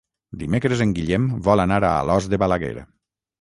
Dimecres en Guillem vol anar a Alòs de Balaguer.